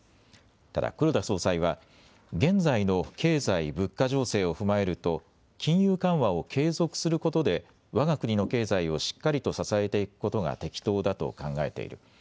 ただ、黒田総裁は、現在の経済・物価情勢を踏まえると、金融緩和を継続することでわが国の経済をしっかりと支えていくことが適当だと考えている。